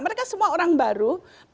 mereka semua orang baru